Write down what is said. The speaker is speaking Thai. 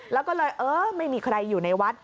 แล้วก็เลยเออไม่มีใครอยู่ในวัด